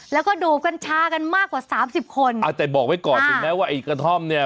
แล้วก็ดูดกัญชากันมากกว่าสามสิบคนอ่าแต่บอกไว้ก่อนถึงแม้ว่าไอ้กระท่อมเนี่ย